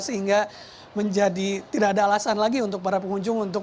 sehingga menjadi tidak ada alasan lagi untuk para pengunjung untuk